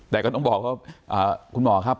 แต่ก็ต้องบอกว่าคุณหมอครับ